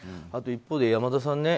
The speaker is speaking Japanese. あと一方で山田さん